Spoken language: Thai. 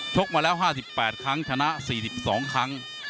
กมาแล้ว๕๘ครั้งชนะ๔๒ครั้ง